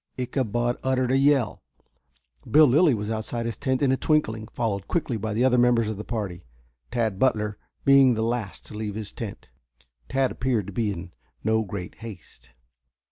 Ichabod uttered a yell. Bill Lilly was outside his tent in a twinkling, followed quickly by the other members of the party, Tad Butler being the last to leave his tent. Tad appeared to be in no great haste.